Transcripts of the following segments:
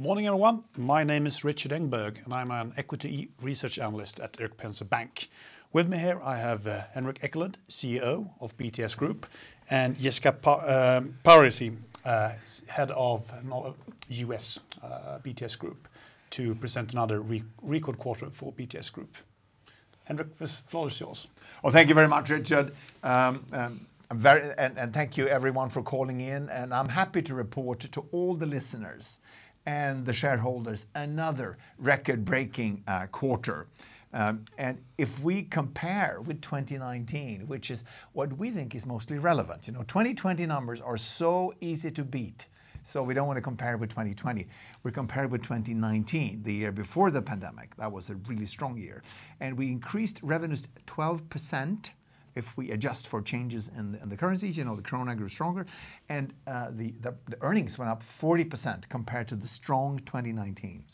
Morning, everyone. My name is Rikard Engberg, and I'm an equity research analyst at Penser Bank. With me here I have Henrik Ekelund, CEO of BTS Group, and Jessica Parisi, head of BTS USA, to present another record quarter for BTS Group. Henrik, the floor is yours. Well, thank you very much, Rikard. Thank you everyone for calling in, and I'm happy to report to all the listeners and the shareholders another record-breaking quarter. If we compare with 2019, which is what we think is mostly relevant, 2020 numbers are so easy to beat, so we don't want to compare with 2020. We compare with 2019, the year before the pandemic. That was a really strong year. We increased revenues 12%, if we adjust for changes in the currencies, the krona grew stronger, and the earnings were up 40% compared to the strong 2019.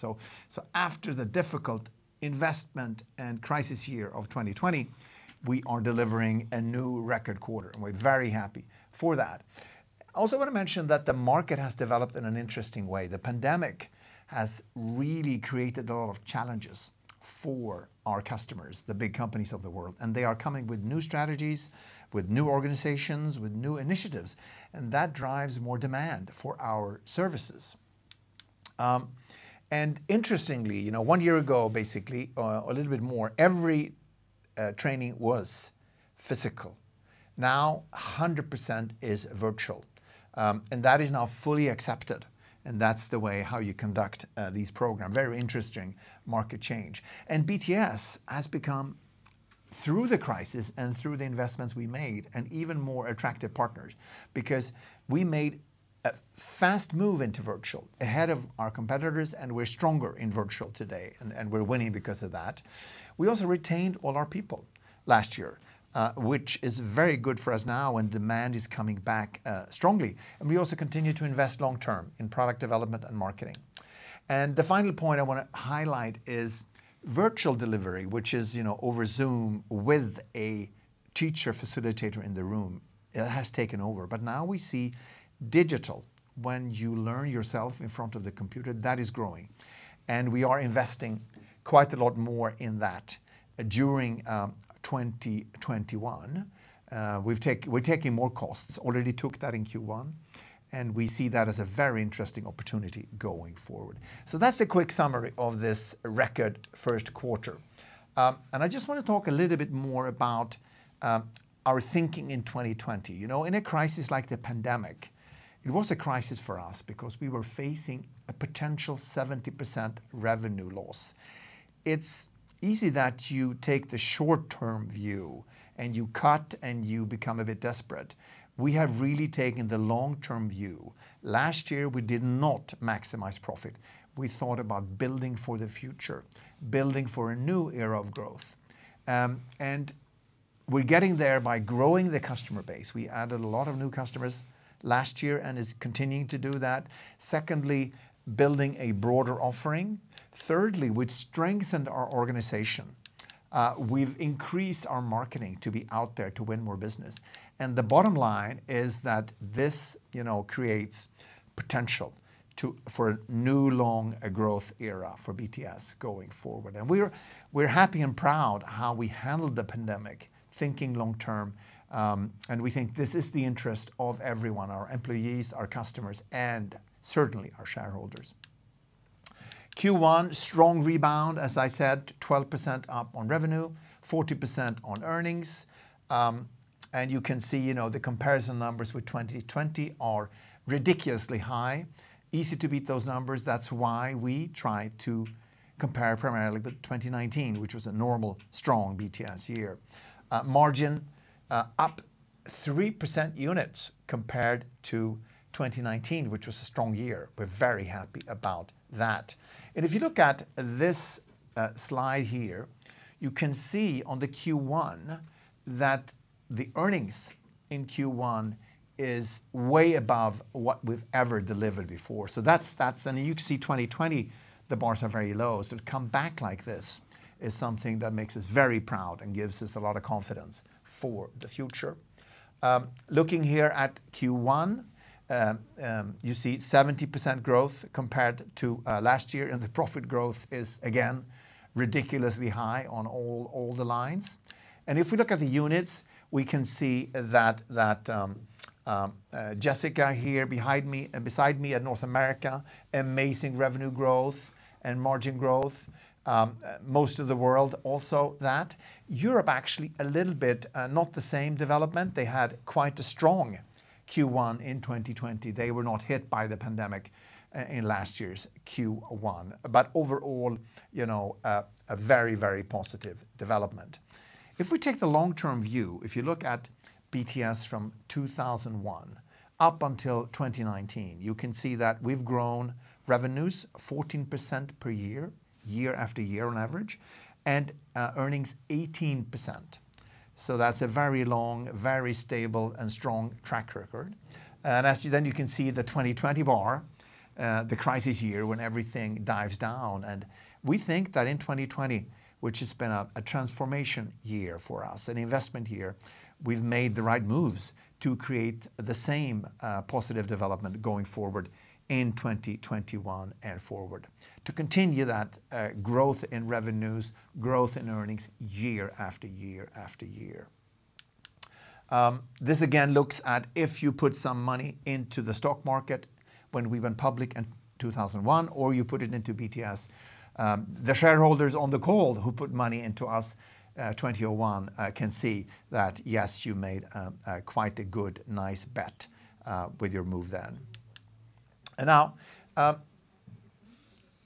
After the difficult investment and crisis year of 2020, we are delivering a new record quarter, and we're very happy for that. I also want to mention that the market has developed in an interesting way. The pandemic has really created a lot of challenges for our customers, the big companies of the world. They are coming with new strategies, with new organizations, with new initiatives, and that drives more demand for our services. Interestingly, one year ago, basically, a little bit more, every training was physical. Now 100% is virtual. That is now fully accepted, and that's the way how you conduct these programs. Very interesting market change. BTS has become, through the crisis and through the investments we made, an even more attractive partner because we made a fast move into virtual ahead of our competitors, and we're stronger in virtual today, and we're winning because of that. We also retained all our people last year, which is very good for us now when demand is coming back strongly. We also continue to invest long term in product development and marketing. The final point I want to highlight is virtual delivery, which is over Zoom with a teacher facilitator in the room. It has taken over. Now we see digital, when you learn yourself in front of the computer, that is growing, and we are investing quite a lot more in that during 2021. We're taking more costs. Already took that in Q1, and we see that as a very interesting opportunity going forward. That's a quick summary of this record first quarter. I just want to talk a little bit more about our thinking in 2020. In a crisis like the pandemic, it was a crisis for us because we were facing a potential 70% revenue loss. It's easy that you take the short-term view and you cut and you become a bit desperate. We have really taken the long-term view. Last year, we did not maximize profit. We thought about building for the future, building for a new era of growth. We're getting there by growing the customer base. We added a lot of new customers last year and is continuing to do that. Secondly, building a broader offering. Thirdly, we've strengthened our organization. We've increased our marketing to be out there to win more business. The bottom line is that this creates potential for a new long growth era for BTS going forward. We're happy and proud how we handled the pandemic, thinking long term, and we think this is the interest of everyone, our employees, our customers, and certainly our shareholders. Q1, strong rebound, as I said, 12% up on revenue, 40% on earnings. You can see, the comparison numbers with 2020 are ridiculously high. Easy to beat those numbers. That's why we try to compare primarily with 2019, which was a normal strong BTS year. Margin up 3% units compared to 2019, which was a strong year. We're very happy about that. If you look at this slide here, you can see on the Q1 that the earnings in Q1 is way above what we've ever delivered before. You can see 2020, the bars are very low. To come back like this is something that makes us very proud and gives us a lot of confidence for the future. Looking here at Q1, you see 70% growth compared to last year, and the profit growth is, again, ridiculously high on all the lines. If you look at the units, we can see that Jessica here beside me in North America, amazing revenue growth and margin growth. Most of the world also that. Europe actually a little bit not the same development. They had quite a strong Q1 in 2020. They were not hit by the pandemic in last year's Q1. Overall, a very positive development. If we take the long-term view, if you look at BTS from 2001 up until 2019, you can see that we've grown revenues 14% per year-after-year on average, and earnings 18%. That's a very long, very stable and strong track record. As you then can see the 2020 bar, the crisis year when everything dives down, and we think that in 2020, which has been a transformation year for us, an investment year, we've made the right moves to create the same positive development going forward in 2021 and forward to continue that growth in revenues, growth in earnings year-after-year. This again looks at if you put some money into the stock market when we went public in 2001, or you put it into BTS, the shareholders on the call who put money into us 2001 can see that, yes, you made quite a good, nice bet with your move then. Now,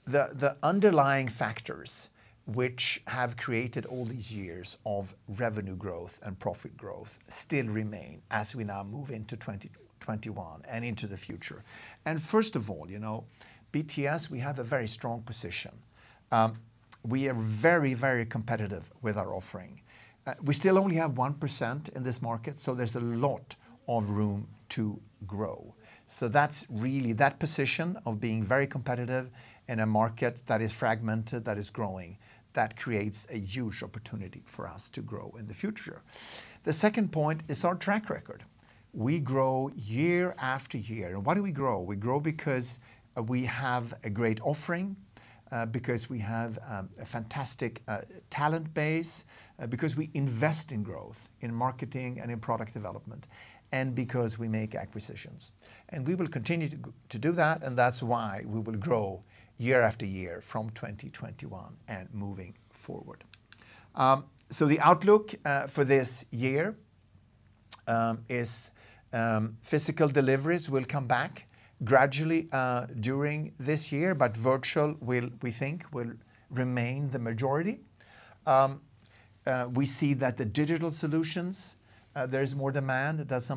the underlying factors which have created all these years of revenue growth and profit growth still remain as we now move into 2021 and into the future. First of all, BTS, we have a very strong position. We are very competitive with our offering. We still only have 1% in this market, there's a lot of room to grow. That's really that position of being very competitive in a market that is fragmented, that is growing, that creates a huge opportunity for us to grow in the future. The second point is our track record. We grow year-after-year. Why do we grow? We grow because we have a great offering, because we have a fantastic talent base, because we invest in growth, in marketing, and in product development, and because we make acquisitions. We will continue to do that, and that's why we will grow year-after-year from 2021 and moving forward. The outlook for this year is physical deliveries will come back gradually during this year, but virtual we think will remain the majority. We see that the digital solutions there's more demand. That's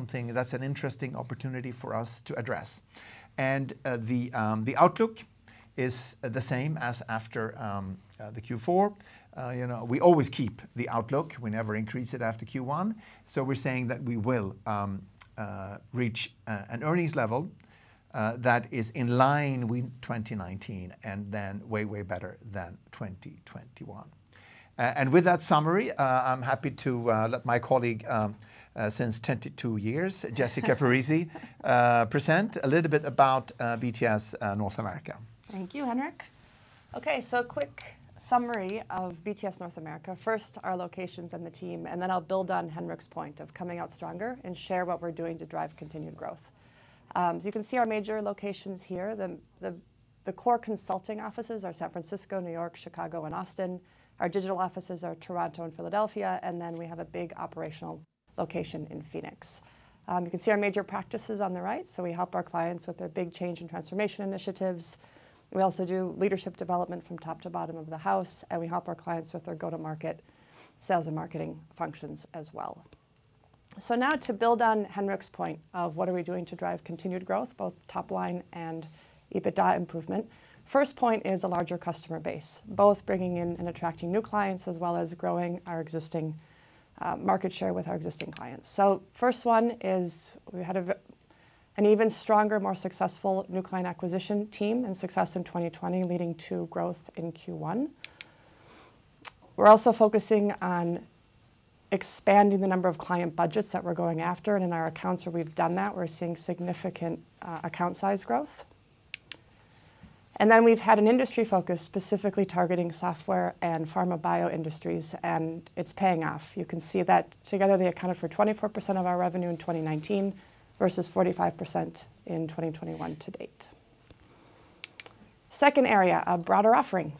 an interesting opportunity for us to address. The outlook is the same as after the Q4. We always keep the outlook. We never increase it after Q1. We're saying that we will reach an earnings level that is in line with 2019 and then way better than 2021. With that summary, I'm happy to let my colleague since 22 years, Jessica Parisi, present a little bit about BTS North America. Thank you, Henrik. Okay. Quick summary of BTS North America. First, our locations and the team, and then I'll build on Henrik's point of coming out stronger and share what we're doing to drive continued growth. You can see our major locations here. The core consulting offices are San Francisco, New York, Chicago, and Austin. Our digital offices are Toronto and Philadelphia, and then we have a big operational location in Phoenix. You can see our major practices on the right. We help our clients with their big change and transformation initiatives. We also do leadership development from top to bottom of the house, and we help our clients with their go-to-market sales and marketing functions as well. Now to build on Henrik's point of what are we doing to drive continued growth, both top line and EBITDA improvement. First point is a larger customer base, both bringing in and attracting new clients, as well as growing our existing market share with our existing clients. First one is, we had an even stronger, more successful new client acquisition team and success in 2020 leading to growth in Q1. We're also focusing on expanding the number of client budgets that we're going after, and in our accounts where we've done that, we're seeing significant account size growth. We've had an industry focus specifically targeting software and pharma-bio industries, and it's paying off. You can see that together, they accounted for 24% of our revenue in 2019 versus 45% in 2021 to date. Second area, a broader offering.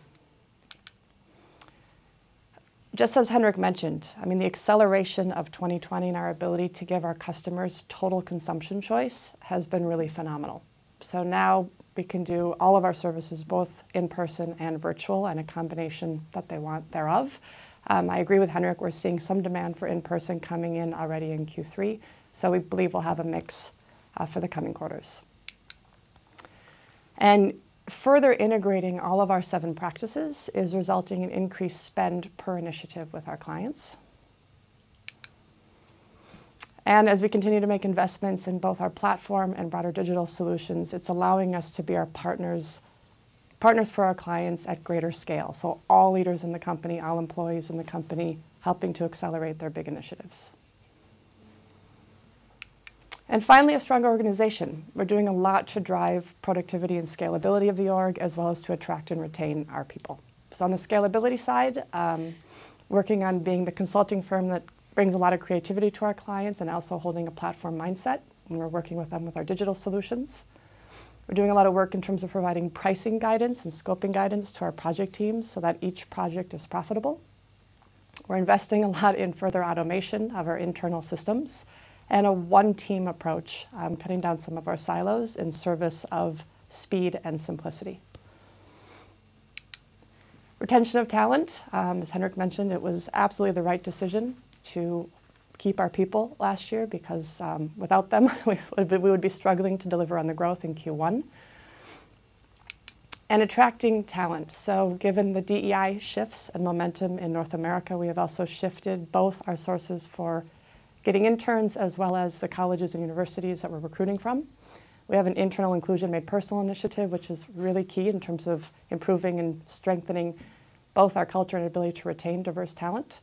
Just as Henrik mentioned, the acceleration of 2020 and our ability to give our customers total consumption choice has been really phenomenal. Now we can do all of our services both in-person and virtual and a combination that they want thereof. I agree with Henrik. We're seeing some demand for in-person coming in already in Q3, so we believe we'll have a mix for the coming quarters. Further integrating all of our seven practices is resulting in increased spend per initiative with our clients. As we continue to make investments in both our platform and broader digital solutions, it's allowing us to be partners for our clients at greater scale. All leaders in the company, all employees in the company, helping to accelerate their big initiatives. Finally, a stronger organization. We're doing a lot to drive productivity and scalability of the org as well as to attract and retain our people. On the scalability side, working on being the consulting firm that brings a lot of creativity to our clients and also holding a platform mindset when we're working with them with our digital solutions. We're doing a lot of work in terms of providing pricing guidance and scoping guidance to our project teams so that each project is profitable. We're investing a lot in further automation of our internal systems and a one-team approach, cutting down some of our silos in service of speed and simplicity. Retention of talent, as Henrik mentioned, it was absolutely the right decision to keep our people last year because without them we would be struggling to deliver on the growth in Q1. Attracting talent. Given the DEI shifts and momentum in North America, we have also shifted both our sources for getting interns as well as the colleges and universities that we're recruiting from. We have an internal inclusion and personal initiative, which is really key in terms of improving and strengthening both our culture and ability to retain diverse talent.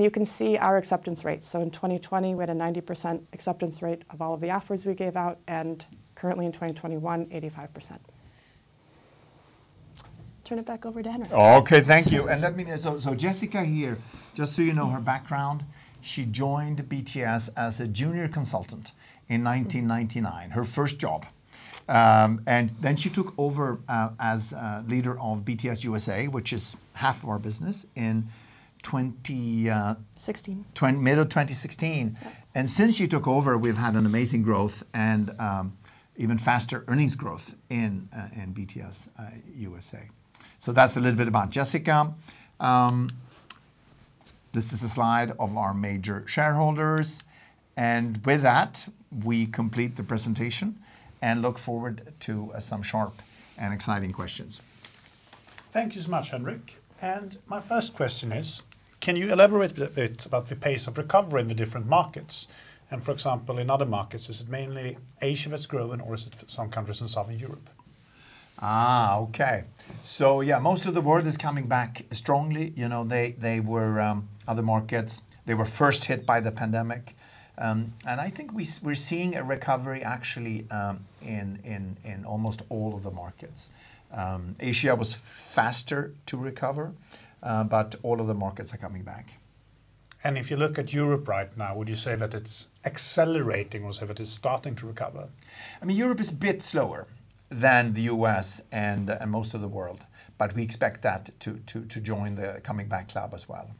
You can see our acceptance rate. In 2020, we had a 90% acceptance rate of all the offers we gave out, and currently in 2021, 85%. Turn it back over to Henrik. Okay, thank you. Jessica here, just so you know her background, she joined BTS as a junior consultant in 1999, her first job. She took over as leader of BTS USA, which is half of our business. 2016 middle of 2016. Since she took over, we've had an amazing growth and even faster earnings growth in BTS USA. That's a little bit about Jessica. This is a slide of our major shareholders, and with that, we complete the presentation and look forward to some sharp and exciting questions. Thank you so much, Henrik. My first question is, can you elaborate a bit about the pace of recovery in the different markets? For example, in other markets, is it mainly Asia that's growing, or is it some countries in Southern Europe? Okay. Yeah, most of the world is coming back strongly. Other markets, they were first hit by the pandemic. I think we're seeing a recovery actually in almost all of the markets. Asia was faster to recover, but all of the markets are coming back. If you look at Europe right now, would you say that it's accelerating or say that it's starting to recover? Europe is a bit slower than the U.S. and most of the world, but we expect that to join the coming back club as well.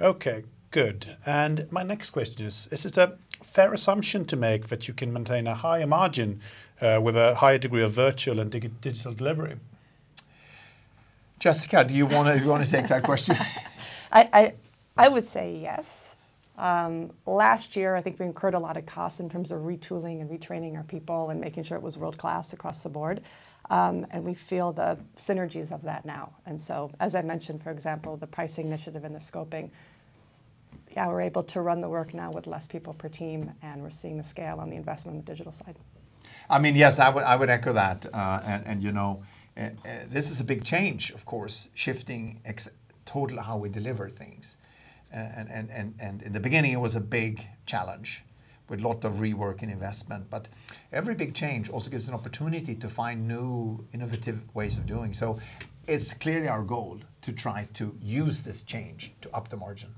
Okay, good. My next question is it a fair assumption to make that you can maintain a higher margin with a high degree of virtual and digital delivery? Jessica, do you want to take that question? I would say yes. Last year, I think we incurred a lot of costs in terms of retooling and retraining our people and making sure it was world-class across the board. We feel the synergies of that now. As I mentioned, for example, the pricing initiative and the scoping, we're able to run the work now with less people per team, and we're seeing the scale on the investment on the digital side. Yes, I would echo that. This is a big change, of course, shifting totally how we deliver things. In the beginning, it was a big challenge with lot of rework and investment, but every big change also gives an opportunity to find new innovative ways of doing. It's clearly our goal to try to use this change to up the margin.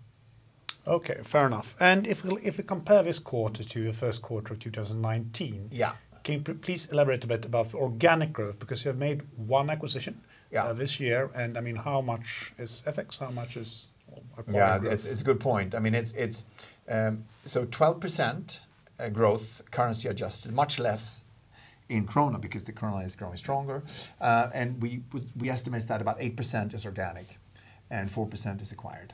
Okay, fair enough. If you compare this quarter to the first quarter of 2019. Yeah Can you please elaborate a bit about organic growth? Because you have made one acquisition. Yeah this year, and how much is FX, how much is core growth? Yeah. It's a good point. 12% growth currency adjusted, much less in Krona because the krona is growing stronger. We estimate that about 8% is organic and 4% is acquired.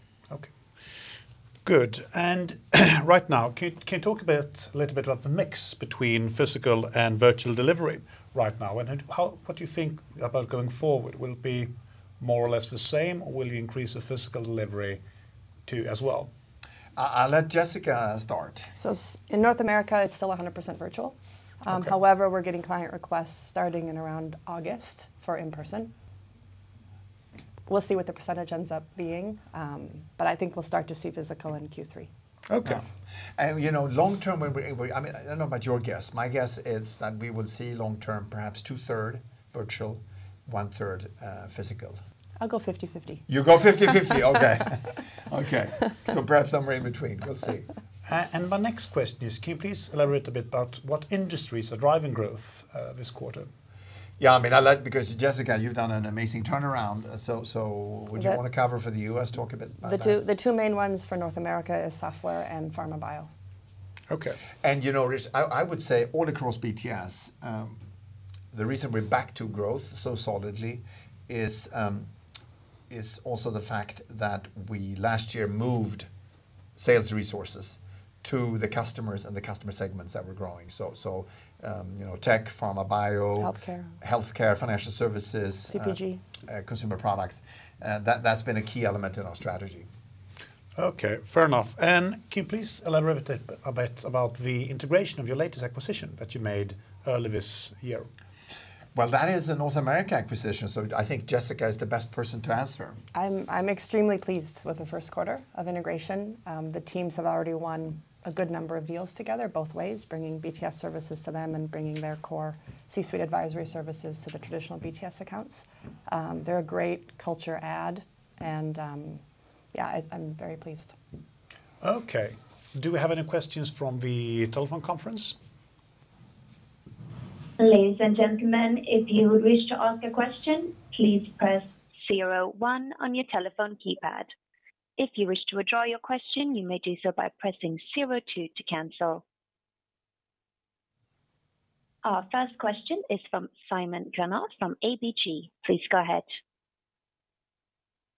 Okay, good. Right now, can you talk a little bit about the mix between physical and virtual delivery right now? What do you think about going forward? Will it be more or less the same, or will you increase the physical delivery too as well? I'll let Jessica start. In North America, it's still 100% virtual. Okay. We're getting client requests starting in around August for in-person. We'll see what the percentage ends up being. I think we'll start to see physical in Q3. Okay. Long term, I don't know about your guess. My guess is that we will see long term, perhaps two third virtual, one third physical. I'll go 50/50. You go 50/50. Okay. Perhaps somewhere in between. We'll see. My next question is, can you please elaborate a bit about what industries are driving growth this quarter? Jessica, you've done an amazing turnaround, would you want to cover for the U.S.? Talk a bit about that. The two main ones for North America is software and pharma bio. Okay. I would say all across BTS, the reason we're back to growth so solidly is also the fact that we last year moved sales resources to the customers and the customer segments that we're growing, tech, pharma. Healthcare healthcare, financial services. CPG consumer products. That's been a key element in our strategy. Okay, fair enough. Can you please elaborate a bit about the integration of your latest acquisition that you made early this year? Well, that is a North America acquisition. I think Jessica is the best person to answer. I'm extremely pleased with the first quarter of integration. The teams have already won a good number of deals together, both ways, bringing BTS services to them and bringing their core C-suite advisory services to the traditional BTS accounts. They're a great culture add, and yeah, I'm very pleased. Okay. Do we have any questions from the telephone conference? Ladies and gentlemen, if you wish to ask a question, please press zero one on your telephone keypad. If you wish to withdraw your question, you may do so by pressing zero two to cancel. Our first question is from Simon Jönsson ABG. Please go ahead.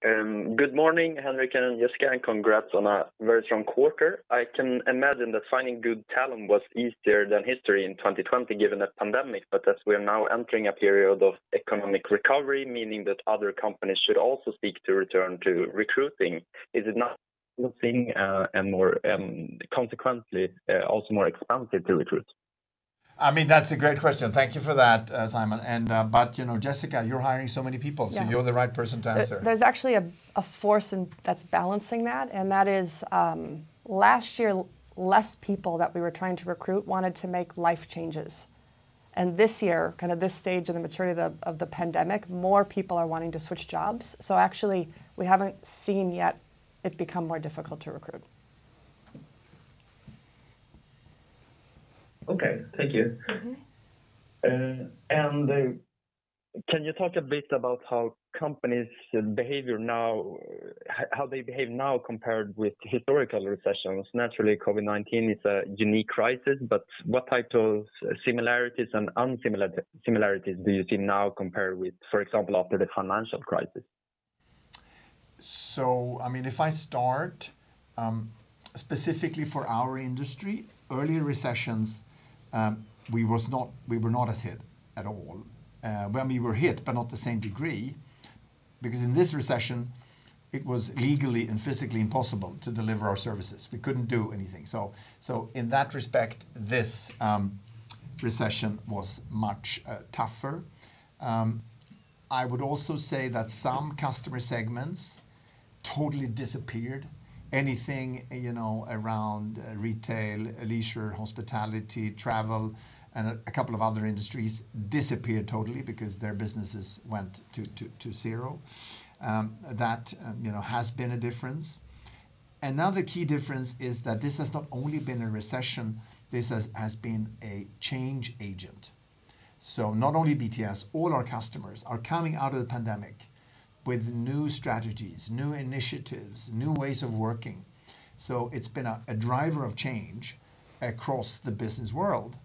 Good morning, Henrik and Jessica, congrats on a very strong quarter. I can imagine that finding good talent was easier than history in 2020 given the pandemic, but as we are now entering a period of economic recovery, meaning that other companies should also seek to return to recruiting, is it now and consequently, also more expensive to recruit? That's a great question. Thank you for that, Simon. Jessica, you're hiring so many people. Yeah You're the right person to answer. There's actually a force that's balancing that, and that is last year, less people that we were trying to recruit wanted to make life changes. This year, this stage in the maturity of the pandemic, more people are wanting to switch jobs. Actually, we haven't seen yet it become more difficult to recruit. Okay. Thank you. Can you talk a bit about how companies behave now compared with historical recessions? Naturally, COVID-19 is a unique crisis, but what type of similarities and unsimilarities do you see now compared with, for example, after the financial crisis? If I start, specifically for our industry, earlier recessions, we were not as hit at all. Well, we were hit, but not the same degree, because in this recession, it was legally and physically impossible to deliver our services. We couldn't do anything. In that respect, this recession was much tougher. I would also say that some customer segments totally disappeared. Anything around retail, leisure, hospitality, travel, and a couple of other industries disappeared totally because their businesses went to zero. That has been a difference. Another key difference is that this has not only been a recession, this has been a change agent. Not only BTS, all our customers are coming out of the pandemic with new strategies, new initiatives, new ways of working. It's been a driver of change across the business world,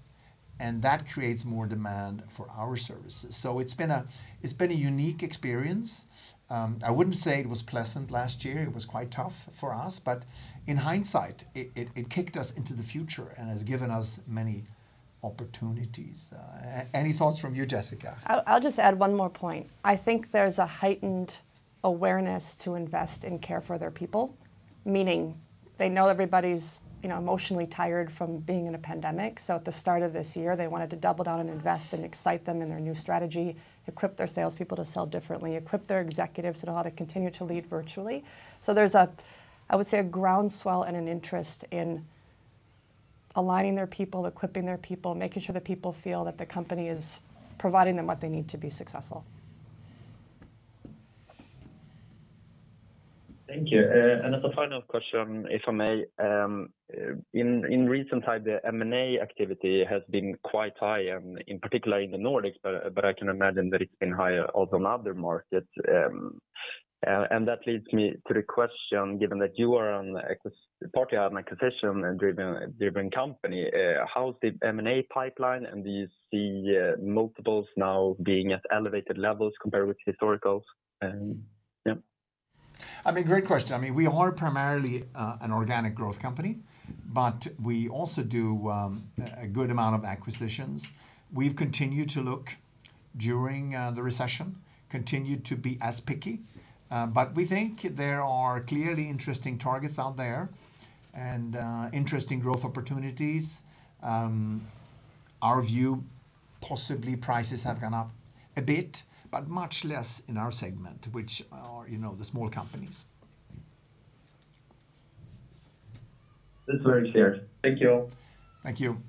and that creates more demand for our services. It's been a unique experience. I wouldn't say it was pleasant last year. It was quite tough for us, but in hindsight, it kicked us into the future and has given us many opportunities. Any thoughts from you, Jessica? I'll just add one more point. I think there's a heightened awareness to invest in care for their people, meaning they know everybody's emotionally tired from being in a pandemic. At the start of this year, they wanted to double down and invest and excite them in their new strategy, equip their salespeople to sell differently, equip their executives on how to continue to lead virtually. There's, I would say, a ground swell and an interest in aligning their people, equipping their people, making sure that people feel that the company is providing them what they need to be successful. Thank you. As a final question, if I may, in recent times, the M&A activity has been quite high, and in particular in the Nordics, but I can imagine that it's been higher also in other markets. That leads me to the question, given that you are partly an acquisition-driven company, how's the M&A pipeline, and do you see multiples now being at elevated levels compared with historical? Yeah. Great question. We are primarily an organic growth company, but we also do a good amount of acquisitions. We've continued to look during the recession, continued to be as picky. We think there are clearly interesting targets out there and interesting growth opportunities. Our view, possibly prices have gone up a bit, but much less in our segment, which are the small companies. That's very clear. Thank you. Thank you.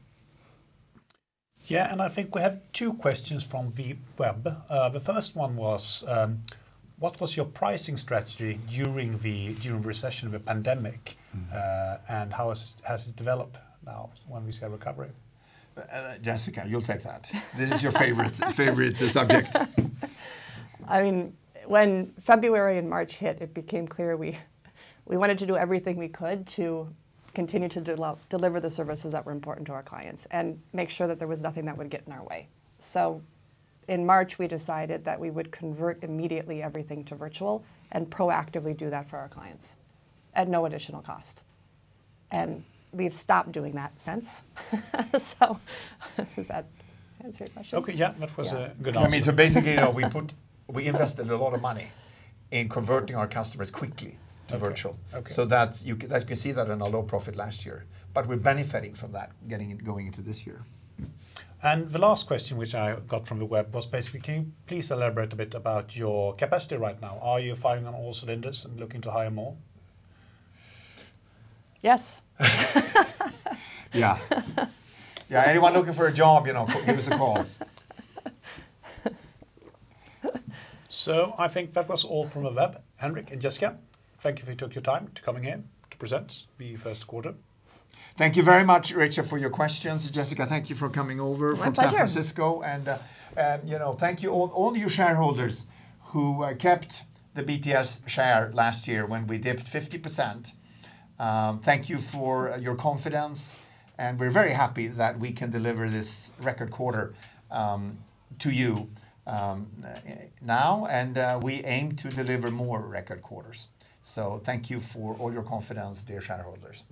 Yeah, I think we have two questions from the web. The first one was, what was your pricing strategy during the recession of the pandemic? How has it developed now when we see a recovery? Jessica, you'll take that. This is your favorite subject. When February and March hit, it became clear we wanted to do everything we could to continue to deliver the services that were important to our clients and make sure that there was nothing that would get in our way. In March, we decided that we would convert immediately everything to virtual and proactively do that for our clients at no additional cost. We've stopped doing that since. Does that answer your question? Okay. Yeah. That was a good answer. Basically, we invested a lot of money in converting our customers quickly to virtual. Okay. That you can see that in our low profit last year. We're benefiting from that going into this year. The last question which I got from the web was basically, can you please elaborate a bit about your capacity right now? Are you firing on all cylinders and looking to hire more? Yes. Yeah. Anyone looking for a job, give us a call. I think that was all from the web. Henrik and Jessica, thank you for your time to coming in to present the first quarter. Thank you very much, Rikard, for your questions. Jessica, thank you for coming. My pleasure. from San Francisco. Thank you, all you shareholders who kept the BTS share last year when we dipped 50%. Thank you for your confidence, and we're very happy that we can deliver this record quarter to you now, and we aim to deliver more record quarters. Thank you for all your confidence, dear shareholders.